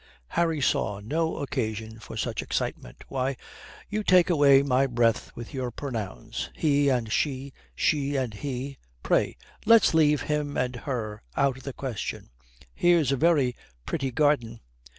Harry saw no occasion for such excitement. "Why, you take away my breath with your pronouns. He and she she and he pray, let's leave him and her out of the question. Here's a very pretty garden."